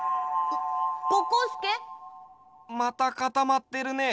またかたまってるね。